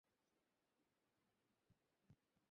কোন ড্রাগ দেখেছিস নিতে?